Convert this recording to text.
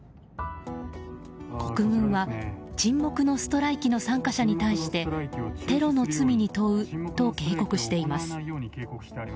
国軍は沈黙のストライキの参加者に対してテロの罪に問うと警告しています。